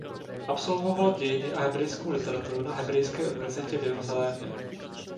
Absolvoval dějiny a hebrejskou literaturu na Hebrejské univerzitě v Jeruzalémě.